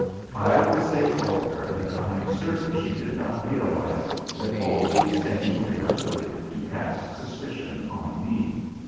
I will say for her that I am certain she did not realise that all these things were calculated to cast suspicion on me.